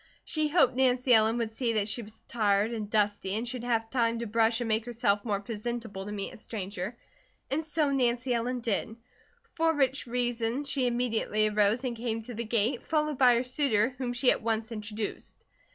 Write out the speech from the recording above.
She hoped Nancy Ellen would see that she was tired and dusty, and should have time to brush and make herself more presentable to meet a stranger, and so Nancy Ellen did; for which reason she immediately arose and came to the gate, followed by her suitor whom she at once introduced.